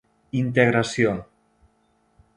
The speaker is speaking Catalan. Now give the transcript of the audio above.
"Integració.